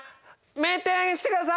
明転してください